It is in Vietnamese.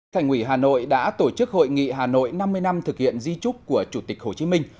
thành quỷ hà nội đã tổ chức hội nghị hà nội năm mươi năm thực hiện di trúc của chủ tịch hồ chí minh